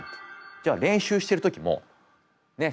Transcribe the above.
じゃあ練習してる時もねっ。